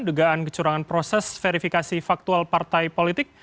dugaan kecurangan proses verifikasi faktual partai politik